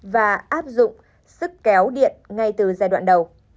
và áp dụng sức kéo điện ngay từ giai đoạn đầu